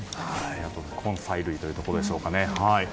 根菜類ということでしょうか。